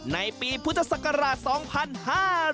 ในปีพุทธศักราช๒๕๕๙